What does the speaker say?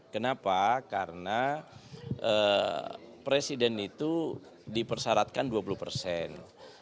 kenapa karena presiden itu dipersyaratkan dua puluh persen